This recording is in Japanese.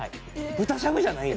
豚しゃぶじゃないんや。